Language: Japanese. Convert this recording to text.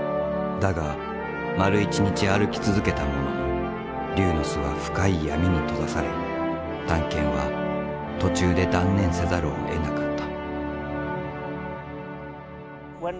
だが丸一日歩き続けたものの龍の巣は深い闇に閉ざされ探検は途中で断念せざるをえなかった。